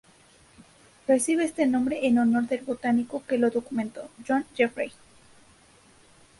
Recibe este nombre en honor del botánico que lo documentó John Jeffrey.